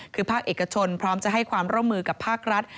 คือภาคเอกชนพร้อมจะให้ความร่วมมือกับภาครัฐ